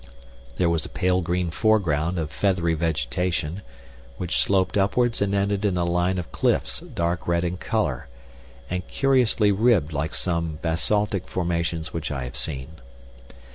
There was a pale green foreground of feathery vegetation, which sloped upwards and ended in a line of cliffs dark red in color, and curiously ribbed like some basaltic formations which I have seen.